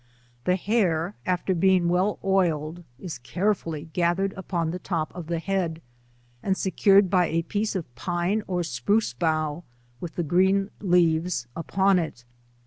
T^he hair, after being well oiled, is carefully gathered upon the top of the head, and secured by a piece of pine or spruce bough, with the green leaves upon it.